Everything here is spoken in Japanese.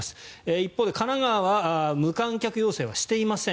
一方で神奈川は無観客要請はしていません。